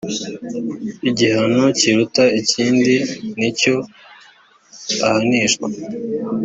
igihano kiruta ikindi nicyo ahanishwa.